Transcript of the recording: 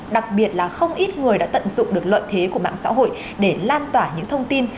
đặc biệt là không ít người đã tận dụng được lợi thế của mạng xã hội để lan tỏa những thông tin